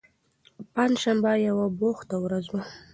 پنجشنبه یوه بوخته ورځ وه.